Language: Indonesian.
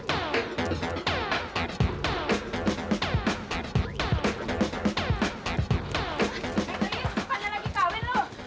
eh jadi siapa yang lagi kawin loh